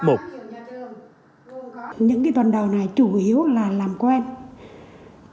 những tuần đầu này chủ yếu là làm quen